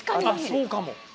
そうかも。